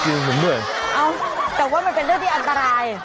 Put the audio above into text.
แต่ว่ามันเป็นเรื่องที่อันตราย